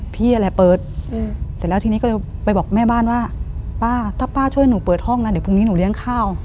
พี่อะไรเปิดเสร็จแล้วทีนี้ก็เลยไปบอกแม่บ้านว่าป้าถ้าป้าช่วยหนูเปิดห้องนะเดี๋ยวพรุ่งนี้หนูเลี้ยงข้าว